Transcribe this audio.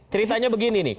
ceritanya begini nih